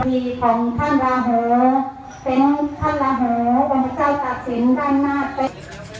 มีของท่านลาโหเป็นท่านลาโหมเจ้าตัดสินด้านหน้าเป๊ก